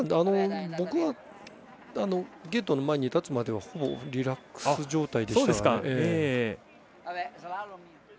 僕はゲートの前に立つまでは、ほぼリラックス状態でした。